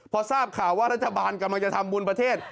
พอทราบข่าวว่ารัฐบาลกำลังจะทำบุญประเทศ